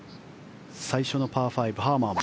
最初のパー５、ハーマン。